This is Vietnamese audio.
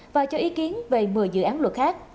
và cho ý kiến về một mươi dự án luật khác